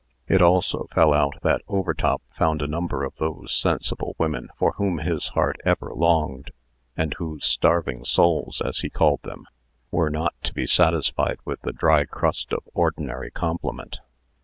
It also fell out, that Overtop found a number of those sensible women for whom his heart ever longed, and whose starving souls, as he called them, were not to be satisfied with the dry crust of ordinary compliment.